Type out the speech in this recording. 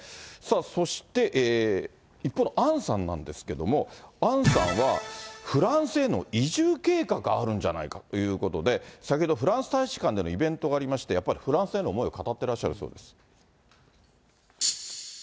そして、一方の杏さんなんですけども、杏さんはフランスへの移住計画があるんじゃないかということで、先ほど、フランス大使館でのイベントがありまして、やっぱりフランスへの思いを語ってらっしゃるそうです。